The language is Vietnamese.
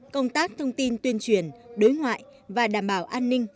công tác thông tin tuyên truyền đối ngoại và đảm bảo an ninh